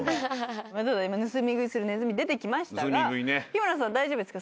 今盗み食いするネズミ出てきましたが日村さん大丈夫ですか？